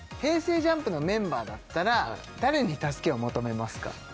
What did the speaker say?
ＪＵＭＰのメンバーだったら誰に助けを求めますか？